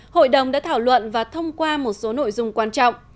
hội đồng đã thảo luận và thông qua một số nội dung quan trọng